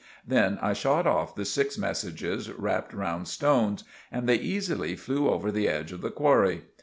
Then I shot off the six messages rapped round stones, and they eesily flew over the edge of the qwarry.